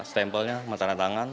stempelnya mataran tangan